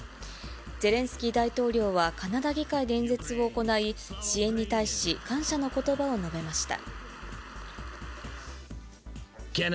ゼレンスキー大統領はカナダ議会で演説を行い、支援に対し、感謝のことばを述べました。